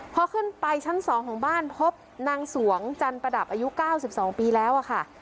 พอขึ้นไปชั้น๒ของบ้านพบนางสวงจันประดับอายุ๙๒ปีแล้วค่ะ